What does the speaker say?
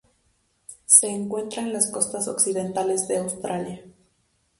Se encuentra en las costas occidentales de Australia.